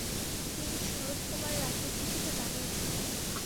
তিনি শরৎ কুমার রায়কে চিঠিতে জানিয়েছিলেন -